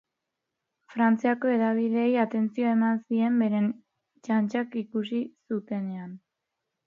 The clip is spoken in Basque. Frantziako hedabideei atentzioa eman zien beren txantxak ikusi zutenean.